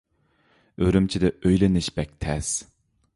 ئۈرۈمچىدە ئۆيلىنىش بەك تەس.